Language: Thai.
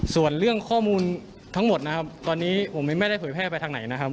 ส่วนเรื่องข้อมูลทั้งหมดนะครับตอนนี้ผมไม่ได้เผยแพร่ไปทางไหนนะครับ